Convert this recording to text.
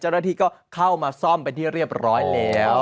เจ้าหน้าที่ก็เข้ามาซ่อมเป็นที่เรียบร้อยแล้ว